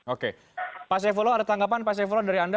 oke pak saifullah ada tanggapan dari anda